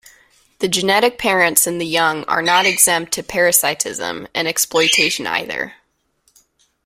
The genetic parents and the young are not exempt to parasitism and exploitation either.